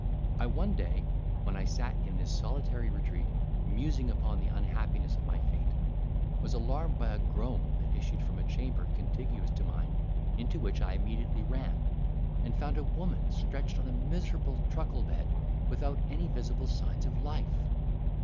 I one day, when I sat in this solitary retreat musing upon the unhappiness of my fate, was alarmed by a groan that issued from a chamber contiguous to mine, into which I immediately ran, and found a woman stretched on a miserable truckle bed, without any visible signs of life.